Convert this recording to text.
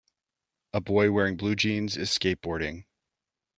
A boy wearing blue jeans is skateboarding.